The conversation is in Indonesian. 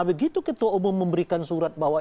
begitu ketua umum memberikan surat bahwa